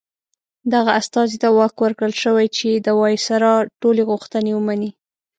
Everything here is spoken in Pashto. دغه استازي ته واک ورکړل شوی چې د وایسرا ټولې غوښتنې ومني.